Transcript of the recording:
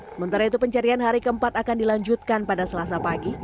sementara itu pencarian hari keempat akan dilanjutkan pada selasa pagi